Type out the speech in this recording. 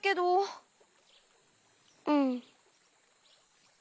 うん。